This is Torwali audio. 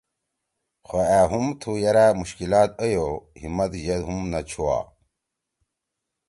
خو أ ہُم تو یرأ مشکلات ائیو ہمت یِد ہم نوچھوا۔